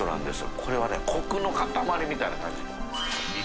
海譴呂コクの塊みたいな感じ。